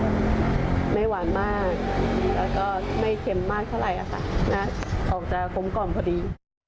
ไม่หวานมากแล้วก็ไม่เค็มมากเท่าไหร่ค่ะหน้าออกจะกลมกล่อมพอดี